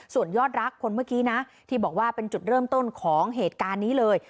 ส่วนยอดรักคนเมื่อกี้นะที่บอกว่าเป็นจุดเริ่มต้นของเหตุการณ์นี้เลย